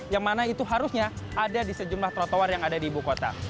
yang mana itu harusnya ada di sejumlah trotoar yang ada di ibu kota